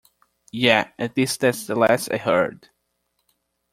Yeah, at least that's the last I heard.